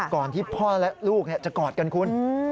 ก่อนที่พ่อและลูกจะกอดกันคุณ